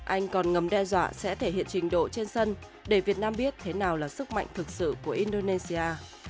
anh còn ngầm đe dọa sẽ thể hiện trình độ trên sân để việt nam biết thế nào là sức mạnh thực sự của indonesia